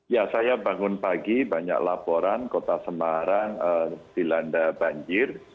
ya saya bangun pagi banyak laporan kota semarang dilanda banjir